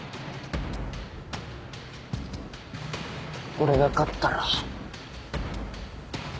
俺が勝ったら。